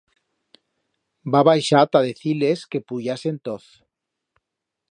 Va baixar ta decir-les que puyasen toz.